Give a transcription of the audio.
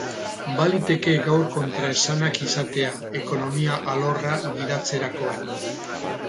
Baliteke gaur kontraesanak izatea, ekonomia alorra gidatzerakoan.